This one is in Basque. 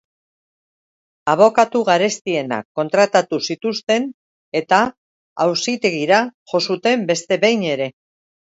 Abokatu garestienak kontratatu zituzten eta auzitegira jo zuten beste behin ere.